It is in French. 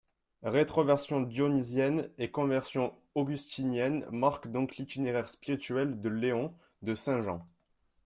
Rétroversion dyonisienne et conversion augustinienne marquent donc l'itinéraire spirituel de Léon de Saint-Jean.